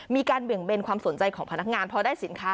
เบี่ยงเบนความสนใจของพนักงานพอได้สินค้า